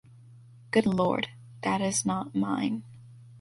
Good Lord! That is not mine!